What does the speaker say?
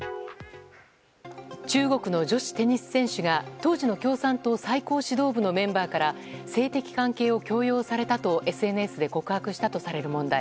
中国の女子テニス選手が当時の共産党最高指導部のメンバーから性的関係を強要されたとＳＮＳで告白したとされる問題。